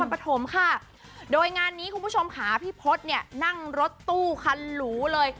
ปฐมค่ะโดยงานนี้คุณผู้ชมค่ะพี่พศเนี่ยนั่งรถตู้คันหรูเลย